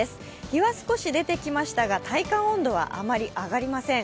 日は出てきましたから体感温度はあまり上がりません。